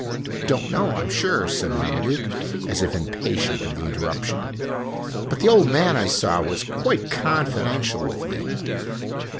" Don't know, I 'm sure," said Marmaduke, as if impatient of the interruption ; "but the old man I saw was quite confidential with me.